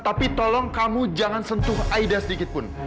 tapi tolong kamu jangan sentuh aida sedikit pun